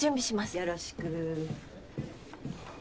よろしく。